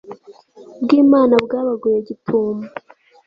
bw Imana bwabaguye gitumo